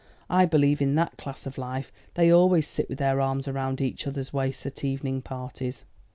I believe in that class of life they always sit with their arms round each other's waists at evening parties."